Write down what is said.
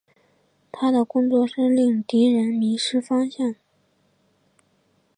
他的工作是令敌人迷失方向。